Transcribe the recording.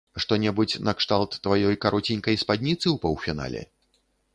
Што-небудзь накшталт тваёй кароценькай спадніцы ў паўфінале?